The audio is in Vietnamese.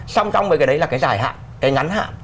song song với cái đấy là cái giải hạn cái ngắn hạn